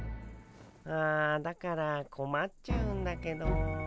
あだからこまっちゃうんだけど。